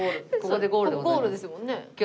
ここゴールですもんね。